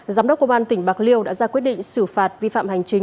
giám đốc công an tỉnh bạc liêu đã ra quyết định xử phạt vi phạm hành chính